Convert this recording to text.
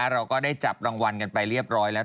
เราก็ได้จับรางวัลกันไปเรียบร้อยแล้ว